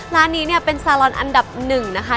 ร้านนี้เนี่ยเป็นซาลอนอันดับหนึ่งนะคะ